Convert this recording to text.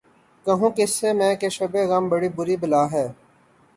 کہوں کس سے میں کہ کیا ہے شبِ غم بری بلا ہے